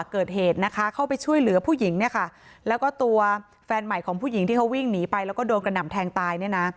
เข้าไปช่วยเหลือผู้หญิงแล้วก็ตัวแฟนใหม่ของผู้หญิงที่เขาวิ่งหนีไปแล้วก็โดนกระหน่ำแทงตาย